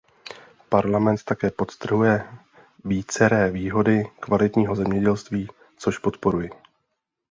Parlament také podtrhuje víceré výhody kvalitního zemědělství, což podporuji.